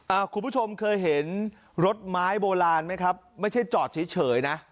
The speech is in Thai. คุณผู้ชมเคยเห็นรถไม้โบราณไหมครับไม่ใช่จอดเฉยเฉยนะ